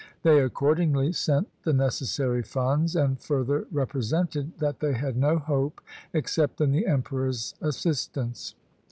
They accordingly sent the necessary funds, and further represented that they had no hope except in the Emperor's assistance.